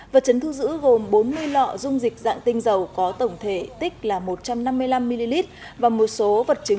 vật chứng thu giữ gồm bốn mươi lọ dung dịch dạng tinh dầu có tổng thể tích là một trăm năm mươi năm ml và một số vật chứng